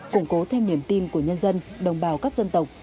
củng cố thêm niềm tin của nhân dân đồng bào các dân tộc